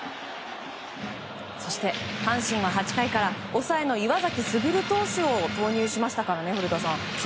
そして阪神は８回から抑えの岩崎優投手を投入しましたね、古田さん。